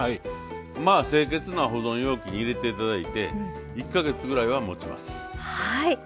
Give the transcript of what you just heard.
清潔な保存容器に入れて頂いて１か月ぐらいはもちます。